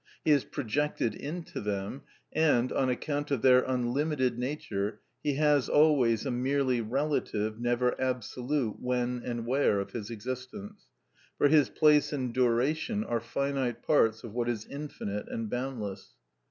He is projected into them, and, on account of their unlimited nature, he has always a merely relative, never absolute when and where of his existence; for his place and duration are finite parts of what is infinite and boundless.